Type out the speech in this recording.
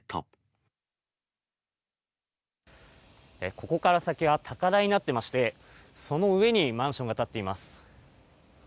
ここから先は高台になってまして、その上にマンションが建っています。